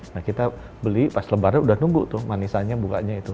nah kita beli pas lebaran udah nunggu tuh manisannya bukanya itu